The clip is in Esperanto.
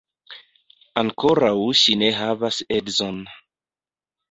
Ankoraŭ ŝi ne havas edzon.